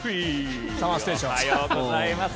おはようございます。